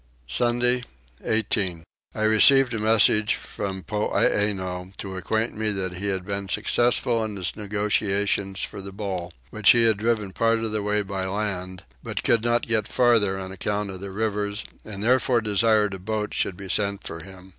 Sunday 18. I received a message from Poeeno to acquaint me that he had been successful in his negotiation for the bull, which he had driven part of the way by land, but could not get farther on account of the rivers and therefore desired a boat should be sent for him.